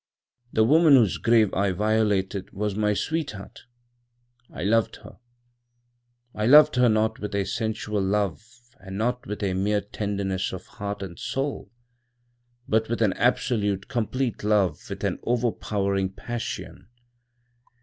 The woman whose grave I violated was my sweetheart. I loved her. "I loved her, not with a sensual love and not with mere tenderness of heart and soul, but with an absolute, complete love, with an overpowering passion.